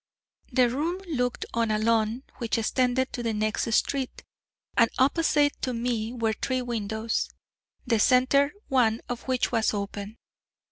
The room looked on a lawn which extended to the next street, and opposite to me were three windows, the centre one of which was open.